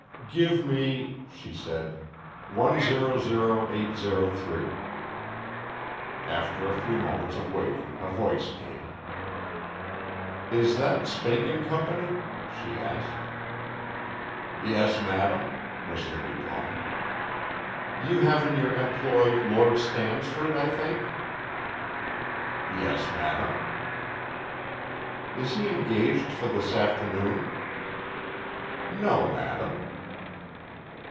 "Give me," she said, "100,803." After a few moments of waiting, a voice came. "Is that Spink and Company?" she asked. "Yes, madam," was the reply. "You have in your employ Lord Stansford, I think?" "Yes, madam." "Is he engaged for this afternoon?" "No, madam."